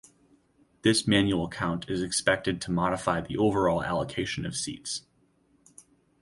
This manual count is expected to modify the overall allocation of seats.